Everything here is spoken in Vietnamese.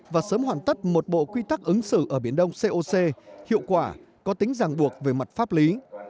và sớm hoàn tất một bộ quy tắc ứng xử ở biển đông coc hiệu quả có tính giảng buộc về mặt pháp lý